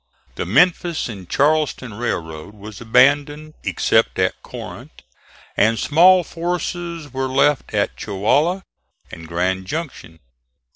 The Memphis and Charleston railroad was abandoned, except at Corinth, and small forces were left at Chewalla and Grand Junction.